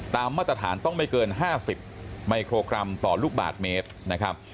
มาตรฐานต้องไม่เกิน๕๐มิโครกรัมต่อลูกบาทเมตรนะครับ